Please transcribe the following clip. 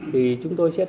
thì chúng tôi sẽ tiến hành